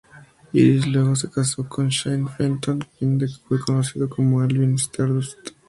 Iris luego se casó con Shane Fenton, quien fue conocido como Alvin Stardust.